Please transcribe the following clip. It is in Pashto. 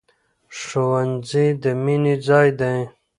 ښوونځی د مینې ځای دی.